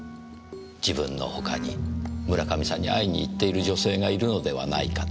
自分の他に村上さんに会いに行っている女性がいるのではないかと。